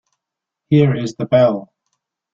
Here is the bell.